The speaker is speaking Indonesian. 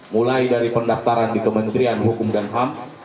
mulai dari pendaftaran di kementerian hukum dan ham